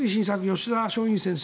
吉田松陰先生